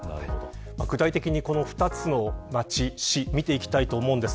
具体的に２つの町、市を見ていきたいと思います。